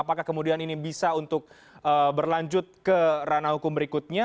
apakah kemudian ini bisa untuk berlanjut ke ranah hukum berikutnya